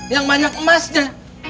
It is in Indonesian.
yang banyak emasnya